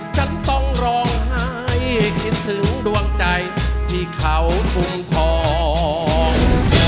ฉันต้องร้องไห้คิดถึงดวงใจที่เขาชุมทอง